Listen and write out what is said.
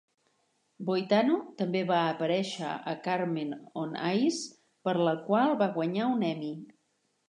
Boitano també va aparèixer a "Carmen on Ice", per la qual va guanyar un Emmy.